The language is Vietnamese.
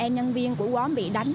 nhân viên của quán bị đánh